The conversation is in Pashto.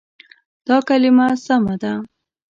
دا کلمه سمه ده.